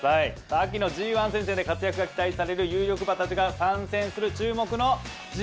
秋のＧⅠ戦線で活躍が期待される有力馬たちが参戦する注目のＧ？